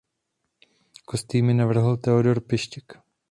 Kostýmy navrhl Theodor Pištěk.